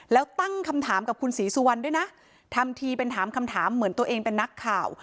แล้วตั้งคำถามกับคุณศรีสุวรรณด้วยนะทำทีเป็นถามคำถามเหมือนตัวเองเป็นนักข่าว